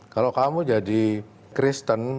kalau kamu jadi kristen